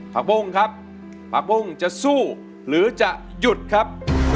ปะปุ้งจะสู้หรือจะหยุดครับ